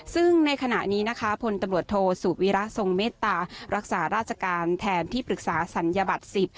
ซึ่งในขณะนี้นะคะพลตำรวจโทสุวิระทรงเมตตารักษาราชการแทนที่ปรึกษาศัลยบัตร๑๐